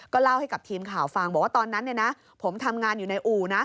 เล่าให้กับทีมข่าวฟังบอกว่าตอนนั้นผมทำงานอยู่ในอู่นะ